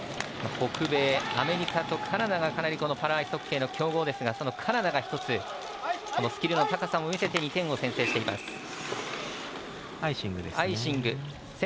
北米、アメリカとカナダがパラアイスホッケーの強豪ですがカナダがスキルの高さも見せて２点を先制しています。